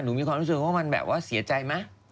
มีความรู้สึกว่ามันแบบว่าเสียใจไหม